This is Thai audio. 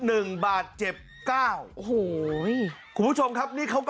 หนึ่งบาดเจ็บเก้าโอ้โหคุณผู้ชมครับนี่เขาก็